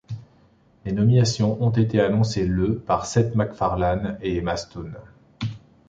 Les nominations ont été annoncées le par Seth MacFarlane et Emma Stone.